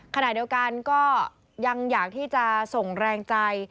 ขณะเดียวกันก็ยังอยากที่จะส่งแรงใจ